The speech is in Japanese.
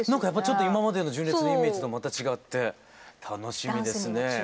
ちょっと今までの純烈のイメージとはまた違って楽しみですね。